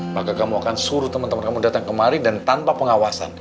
maka kamu akan suruh teman teman kamu datang kemari dan tanpa pengawasan